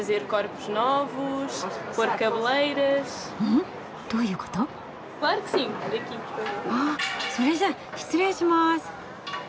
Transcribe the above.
んどういうこと？わそれじゃあ失礼します。